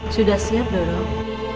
sudah siap dorong